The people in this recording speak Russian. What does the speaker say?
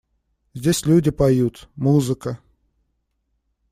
Здесь люди поют… музыка.